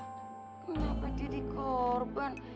kenapa jadi korban